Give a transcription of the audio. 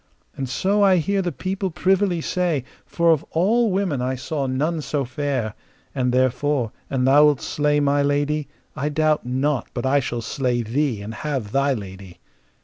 And so I hear the people privily say, for of all women I saw none so fair; and therefore, an thou wilt slay my lady, I doubt not but I shall slay thee and have thy lady.